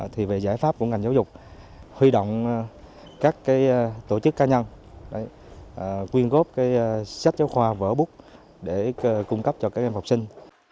thì về giải pháp của ngành giáo dục huy động các tổ chức cá nhân quyên góp cái sách giáo khoa vỡ bút để cung cấp cho các em học sinh